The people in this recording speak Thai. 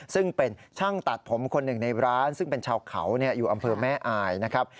ซึ่งเป็นช่างตัดผมคนหนึ่งในร้านซึ่งเป็นชาวเขาอยู่อำเภอแม่อายนะครับ